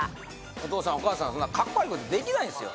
お父さんお母さんそんなカッコ悪いことできないですよ